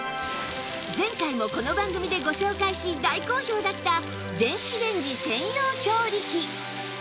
前回もこの番組でご紹介し大好評だった電子レンジ専用調理器